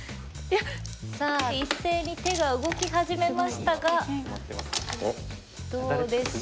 さあ一斉に手が動き始めましたがどうでしょう？